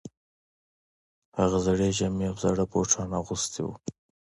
هغه زړې جامې او زاړه بوټان اغوستي وو